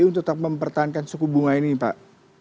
untuk tetap mempertahankan suku bunga ini pak